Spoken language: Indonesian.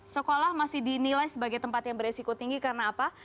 sekolah masih dinilai sebagai tempat yang beresiko tinggi karena apa